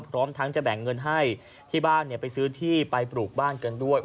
พร้อมทั้งจะแบ่งเงินให้ที่บ้านไปซื้อที่ไปปลูกบ้านกันด้วย